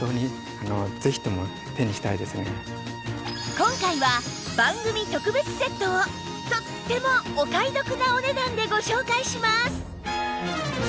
今回は番組特別セットをとってもお買い得なお値段でご紹介します！